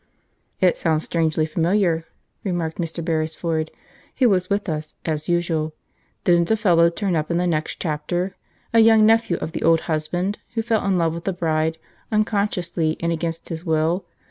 "It sounds strangely familiar," remarked Mr. Beresford, who was with us, as usual. "Didn't a fellow turn up in the next chapter, a young nephew of the old husband, who fell in love with the bride, unconsciously and against his will?